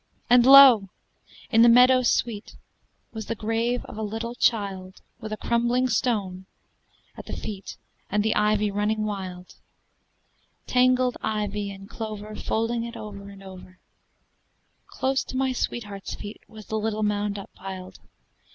And lo! in the meadow sweet was the grave of a little child, With a crumbling stone at the feet and the ivy running wild Tangled ivy and clover folding it over and over: Close to my sweetheart's feet was the little mound up piled.